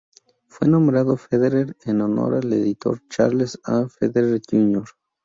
Fue nombrado Federer en honor al editor Charles A. Federer, Jr.